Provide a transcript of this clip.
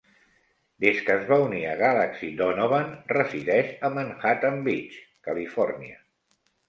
Des que es va unir a Galaxy Donovan resideix a Manhattan Beach, Califòrnia.